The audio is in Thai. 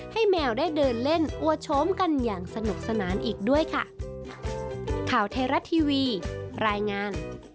แมวได้เดินเล่นอวดโฉมกันอย่างสนุกสนานอีกด้วยค่ะ